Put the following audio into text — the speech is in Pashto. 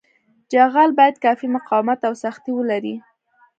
جغل باید کافي مقاومت او سختي ولري